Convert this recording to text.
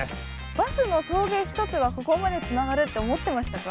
バスの送迎一つがここまでつながるって思ってましたか？